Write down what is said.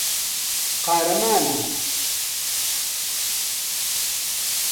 قارەمانە.